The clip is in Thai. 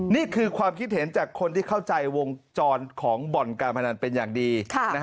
นี่คือความคิดเห็นจากคนที่เข้าใจวงจรของบ่อนการพนันเป็นอย่างดี